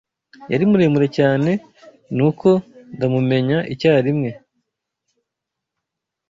Yari muremure cyane, nuko ndamumenya icyarimwe.